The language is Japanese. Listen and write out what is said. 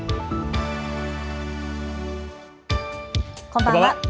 こんばんは。